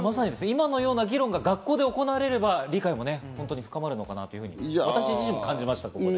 今のような議論が学校で行われれば、理解も深まるかなと、私自身も感じました。